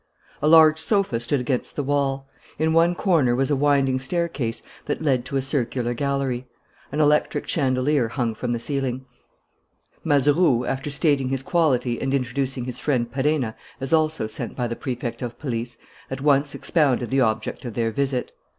A large sofa stood against the wall. In one corner was a winding staircase that led to a circular gallery. An electric chandelier hung from the ceiling. Mazeroux, after stating his quality and introducing his friend Perenna as also sent by the Prefect of Police, at once expounded the object of their visit.